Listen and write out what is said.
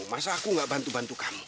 masa aku nggak bantu bantu kamu